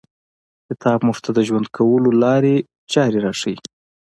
کتاب موږ ته د ژوند کولو لاري او چاري راښیي.